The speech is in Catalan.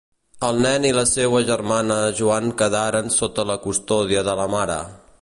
El nen i la seua germana Joan quedaren sota la custòdia de la mare.